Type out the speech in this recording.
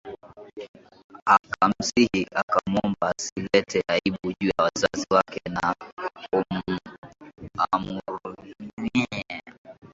akamsihi akamwomba asilete aibu juu ya wazazi wake na amhurumie